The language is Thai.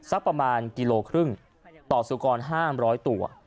สักประมาณกิโลครึ่งต่อสู่กรห้ามร้อยตัว